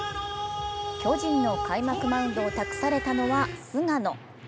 巨人の開幕マウンドを託されたのは菅野。